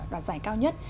đoạt giải cao nhất